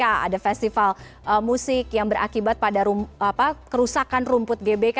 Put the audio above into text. ada festival musik yang berakibat pada kerusakan rumput gbk